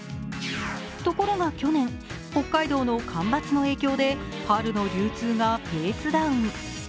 ところが去年、北海道の干ばつの影響で春の流通がペースダウン。